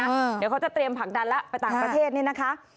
เดี๋ยวเขาจะเตรียมผลักดันแล้วไปต่างประเทศนี่นะคะ